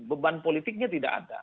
beban politiknya tidak ada